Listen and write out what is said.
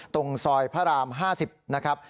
ตรงซอยพระราม๕๐นะครับ